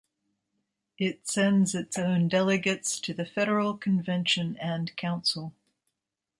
It sends its own delegates to the federal convention and council.